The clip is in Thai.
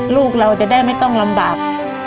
ลูกเราจะได้ไม่ต้องลำบาก